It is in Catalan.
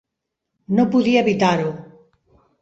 No podia evitar-ho.